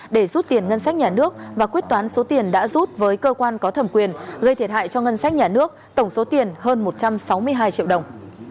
để rút tiền ngân sách nhà nước và quyết toán số tiền đã rút với cơ quan có thẩm quyền gây thiệt hại cho ngân sách nhà nước tổng số tiền hơn một trăm sáu mươi hai triệu đồng